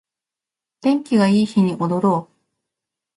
天気がいい日に踊ろう